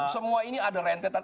semua ini ada rentetan